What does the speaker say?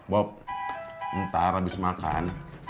bob ntar abis makan